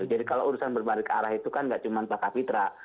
jadi kalau urusan berbalik arah itu kan nggak cuma pak kapitra